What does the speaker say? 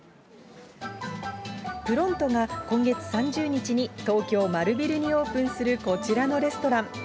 プロントが今月３０日に東京丸ビルにオープンするこちらのレストラン。